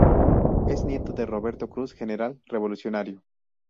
Es nieto de Roberto Cruz, general revolucionario.